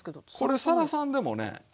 これさらさんでもね